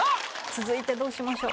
続いてどうしましょう？